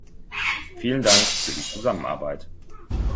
Vielen Dank für die Zusammenarbeit.